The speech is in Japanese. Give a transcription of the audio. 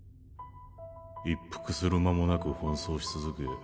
一服する間も無く奔走し続け